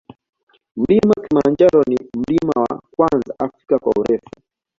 Mlima kilimanjaro ni mlima wa kwanza afrika kwa urefu